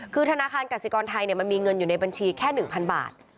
คือธนาคารกสิกรไทยมันมีเงินอยู่ในบัญชีแค่๑๐๐บาท